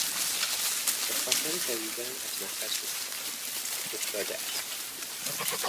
به خاطر دویدن از نفس افتاده است.